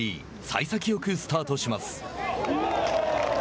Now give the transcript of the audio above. さい先よくスタートします。